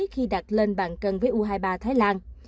khi đặt lên bàn cân với u hai mươi ba thái lan